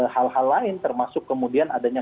hal hal lain termasuk kemudian adanya